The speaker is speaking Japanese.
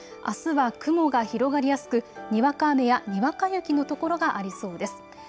あすは雲が広がりやすくにわか雨やにわか雪の所がありそうです。